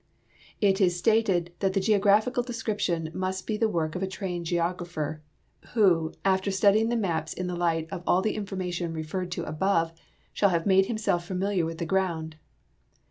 It is stated that the geographical description " must be the work of a trained geographer, who, after studying the maps in the light of all the information referred to above, shall have made himself familiar with the ground."